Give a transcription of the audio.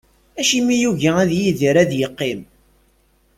Acimi yugi ad Yidir ad yeqqim?